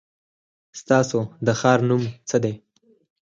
ستاسو د ښار نو څه دی ؟